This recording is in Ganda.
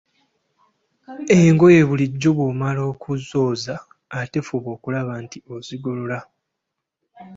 Engoye bulijjo bw'omala okuzooza ate fuba okulaba nti ozigolola.